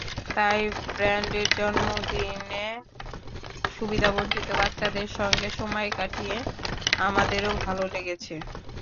তাই ব্যান্ডের জন্মদিনে সুবিধাবঞ্চিত বাচ্চাদের সঙ্গে সময় কাটিয়ে আমাদেরও ভালো লেগেছে।